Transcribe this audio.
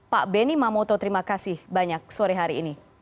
pak benny mamoto terima kasih banyak sore hari ini